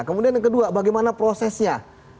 kemudian yang kedua bagaimana prosesnya